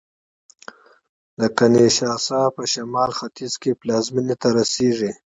د کینشاسا په شمال ختیځ کې پلازمېنې ته رسېږي